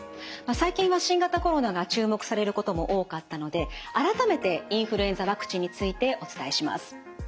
最近は新型コロナが注目されることも多かったので改めてインフルエンザワクチンについてお伝えします。